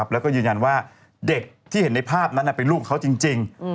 แล้วก็ยืนยันว่าเด็กที่เห็นในภาพนั้นเป็นลูกเขาจริง